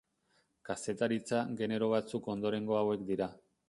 Kazetaritza genero batzuk ondorengo hauek dira.